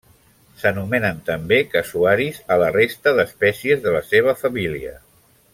S'anomenen també casuaris a la resta d'espècies de la seva família.